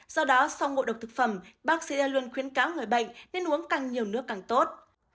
do đó sau ngộ độc thực phẩm bác sĩ luôn khuyến cáo người bệnh nên uống càng nhiều nước càng tốt